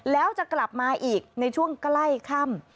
แล้วจะกลับมาอีกในช่วงใกล้ค่ำ